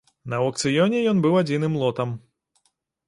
На аўкцыёне ён быў адзіным лотам.